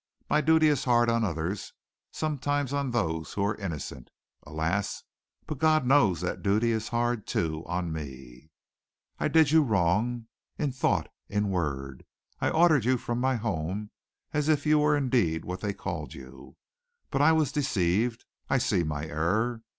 My duty is hard on others sometimes on those who are innocent, alas! But God knows that duty is hard, too, on me." "I did wrong you. In thought in word. I ordered you from my home as if you were indeed what they called you. But I was deceived. I see my error.